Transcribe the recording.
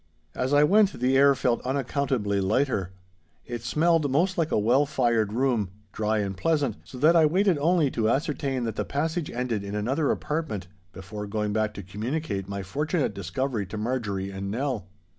As I went the air felt unaccountably lighter. It smelled most like a well fired room, dry and pleasant, so that I waited only to ascertain that the passage ended in another apartment before going back to communicate my fortunate discovery to Marjorie and Nell.